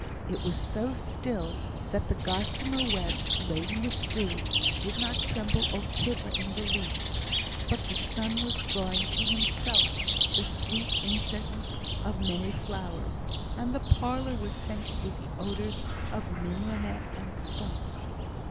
It was so still, that the gossamer webs, laden with dew, did not tremble or quiver in the least; but the sun was drawing to himself the sweet incense of many flowers, and the parlour was scented with the odours of mignonette and stocks.